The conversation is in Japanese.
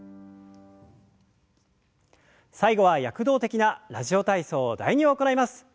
最後は躍動的な「ラジオ体操第２」を行います。